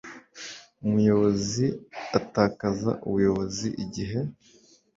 umuyobozi atakaza ubuyobozi igihe